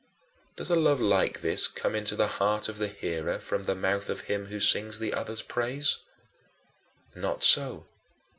Does a love like this come into the heart of the hearer from the mouth of him who sings the other's praise? Not so.